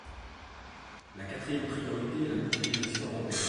La quatrième priorité est la mutualisation européenne.